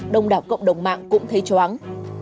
đông đảo cộng đồng mạng cũng thấy chóng